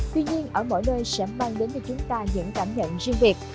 tuy nhiên ở mỗi nơi sẽ mang đến cho chúng ta những cảm nhận riêng biệt